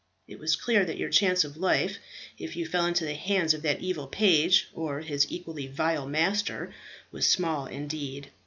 It was clear that your chance of life, if you fell into the hands of that evil page, or his equally vile master, was small indeed.